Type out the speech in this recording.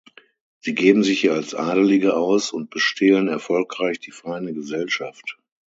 Sie geben sich als Adelige aus und bestehlen erfolgreich die feine Gesellschaft.